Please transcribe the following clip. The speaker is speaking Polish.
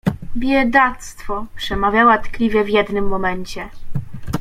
— Biedactwo! — przemawiała tkliwie w jednym momencie.